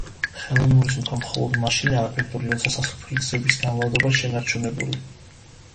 ხელოვნური სუნთქვა მხოლოდ მაშინაა ეფექტური, როცა სასუნთქი გზების განვლადობა შენარჩუნებული.